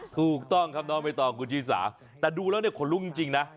ถูกต้องครับน้องใบตองคุณชีสาแต่ดูแล้วเนี่ยขนลุกจริงนะ